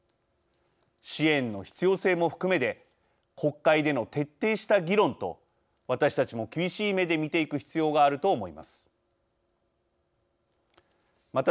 支援の必要性も含めて国会での徹底した議論と私たちも厳しい目で見ていく必要があると思います。